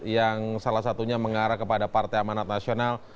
yang salah satunya mengarah kepada partai amanat nasional